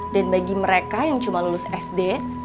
dan bagi mereka yang cuma lulus sd